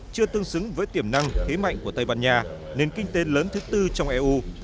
chưa tương xứng với tiềm năng thế mạnh của tây ban nha nền kinh tế lớn thứ tư trong eu